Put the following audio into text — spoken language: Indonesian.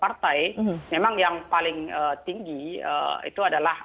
iya kalau untuk popularitas partai memang yang paling tinggi itu adalah pdip